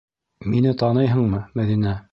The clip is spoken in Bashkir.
Мине таныйһыңмы, Мәҙинә?!